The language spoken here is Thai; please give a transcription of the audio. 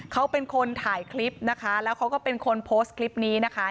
เขาเป็นคนถ่ายคลิปนะคะแล้วเขาก็เป็นคนโพสต์คลิปนี้นะคะ